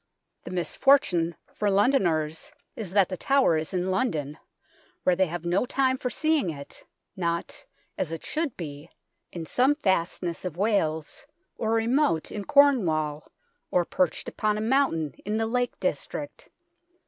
The misfortune for Londoners 9 io PREFACE is that The Tower is in London, where they have no time for seeing it not, as it should be, in some fastness of Wales, or remote in Cornwall, or perched upon a mountain in the Lake District.